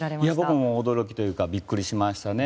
僕も驚きというかビックリしましたね。